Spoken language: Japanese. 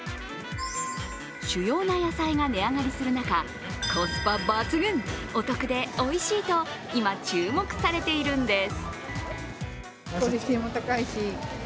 主要な野菜が値上がりする中、コスパ抜群、お得でおいしいと今、注目されているんです。